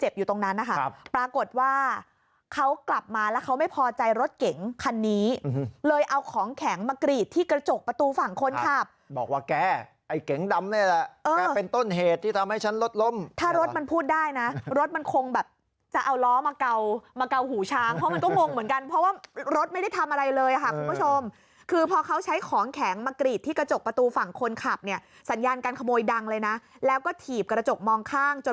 บอกว่าแกไอ้เก๋งดำนะเลยล่ะแกเป็นต้นเหตุที่ทำให้ชั้นรถล้มใช่หรอถ้ารถมันพูดได้นะรถมันคงแบบจะเอาล้อมาเกามาเกาหูชางเพราะมันก็มงเหมือนกันเพราะว่ารถไม่ได้ทำอะไรเลยค่ะคุณผู้ชมคือพอเขาใช้ของแข็งมากรีดที่กระจกประตูฝั่งคนขับเนี่ยสัญญาการขโมยดังเลยนะแล้วก็ถีบกระจกมองข้